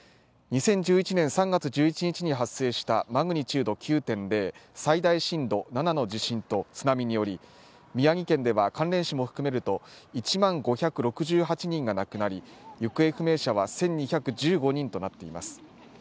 ２０１１年３月１１日に発生したマグニチュード９．０最大震度７の地震と津波により宮城県では関連死も含めると１万５６８人が亡くなり、行方不明者は１２１５人となっています。